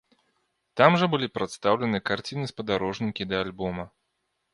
Там жа былі прадстаўлены карціны-спадарожнікі да альбома.